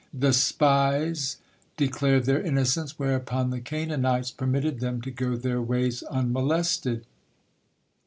The spied declared their innocence, whereupon the Canaanites permitted them to go their ways unmolested.